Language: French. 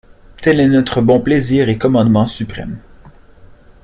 Tel est nostre bon plaisir et commandement supresme.